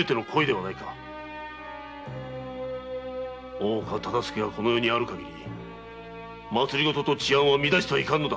大岡忠相がこの世にある限り政と治安を乱してはいかんのだ！